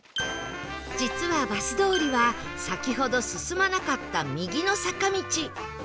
実はバス通りは先ほど進まなかった右の坂道